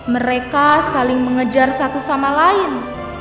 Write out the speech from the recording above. mereka saling mengejar satu sama lain